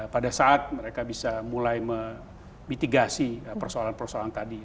pada saat mereka bisa mulai memitigasi persoalan persoalan tadi